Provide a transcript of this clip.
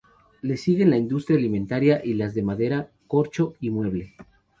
Le siguen la industria alimentaria y las de madera, corcho y mueble.